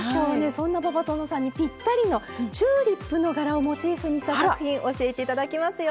そんな馬場園さんにピッタリのチューリップの柄をモチーフにした作品教えて頂きますよ。